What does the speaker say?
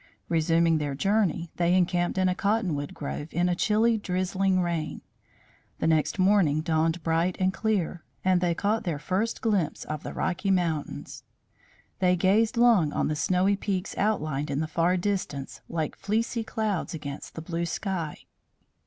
Resuming their journey, they encamped in a cottonwood grove in a chilly drizzling rain. The next morning dawned bright and clear, and they caught their first glimpse of the Rocky Mountains. They gazed long on the snowy peaks outlined in the far distance like fleecy clouds against the blue sky.